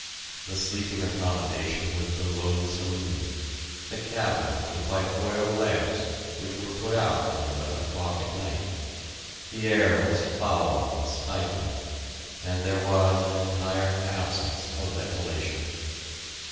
The sleeping accommodation was below the saloon; the cabins were lit by oil lamps, which were put out at eleven o'clock at night; the air was foul and stifling; and there was an entire absence of ventilation.